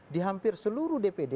di hampir seluruh dpd